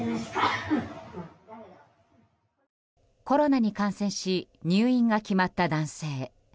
コロナに感染し入院が決まった男性。